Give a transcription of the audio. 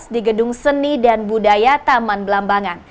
di gedung seni dan budaya taman belambangan